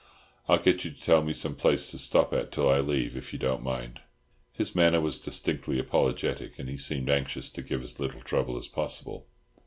I'll get you to tell me some place to stop at till I leave, if you don't mind." His manner was distinctly apologetic, and he seemed anxious to give as little trouble as possible.